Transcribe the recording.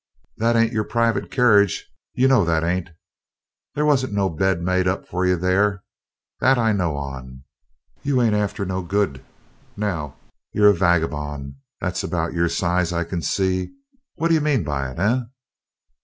"That ain't your private kerridge, yer know, that ain't there wasn't no bed made up there for you, that I know on. You ain't arter no good, now; you're a wagabone! that's about your size, I can see what d'yer mean by it, eh?"